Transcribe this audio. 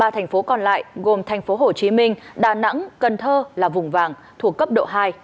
ba thành phố còn lại gồm thành phố hồ chí minh đà nẵng cần thơ là vùng vàng thuộc cấp độ hai